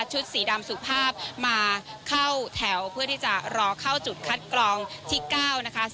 สีดำสุภาพมาเข้าแถวเพื่อที่จะรอเข้าจุดคัดกรองที่๙นะคะ